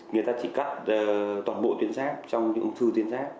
người ta chỉ cắt toàn bộ tuyến giáp trong những ưu tuyến giáp